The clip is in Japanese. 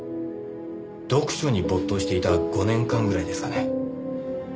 読書に没頭していた５年間ぐらいですかね。